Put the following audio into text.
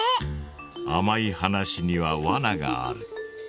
あまい話にはわながある。